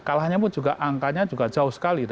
kalahnya pun juga angkanya juga jauh sekali